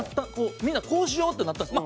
みんな、こうしようってなったんですよ。